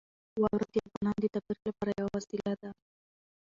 واوره د افغانانو د تفریح لپاره یوه وسیله ده.